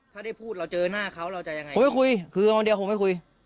ถ้าได้พูดเราเจอหน้าเขาเราจะยังไงผมไม่คุยคือวันเดียวคงไม่คุย